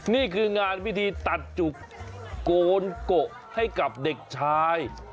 นี่คืองานพิธีตัดจุกโกนโกะให้กับเด็กชาย